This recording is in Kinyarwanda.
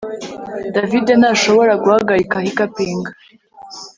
David ntashobora guhagarika hiccupping